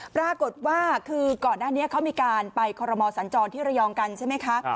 ปรากฏว่าก่อนหน้านี้เขาไปไปการคอรมด์สันจรที่ไรองกันใช่มั้ยคะ